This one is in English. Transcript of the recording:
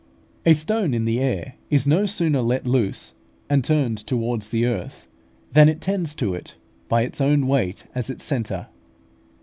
A stone in the air is no sooner let loose, and turned towards the earth, than it tends to it by its own weight as its centre.